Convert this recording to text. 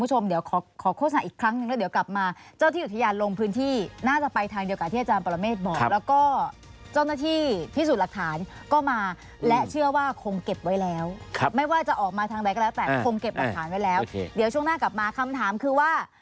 ฮเดี๋ยวช่วงหน้ากลับมาคำถามคือว่า